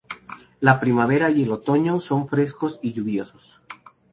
La primavera y el otoño son frescos y lluviosos.